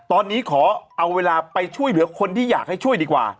ตอนนี้ขอเอาเวลาไปช่วยเหลือคนที่อยากให้ช่วยดีกว่า